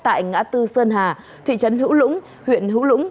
tại ngã tư sơn hà thị trấn hữu lũng huyện hữu lũng